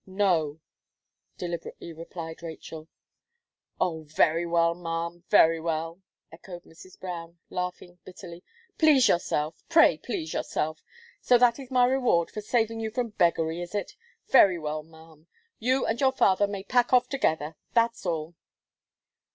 "No," deliberately replied Rachel. "Oh! very well, ma'am, very well," echoed Mrs. Brown, laughing bitterly; "please yourself pray please yourself. So, that is my reward for saving you from beggary, is it? Very well, ma'am; you and your father may pack off together that's all."